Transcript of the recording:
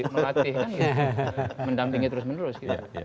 melatih mendampingi terus menerus